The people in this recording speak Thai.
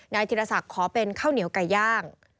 ธิรศักดิ์ขอเป็นข้าวเหนียวไก่ย่าง